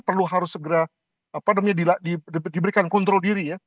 perlu harus segera diberikan kontrol diri ya